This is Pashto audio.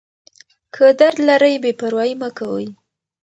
که درد لرئ بې پروايي مه کوئ.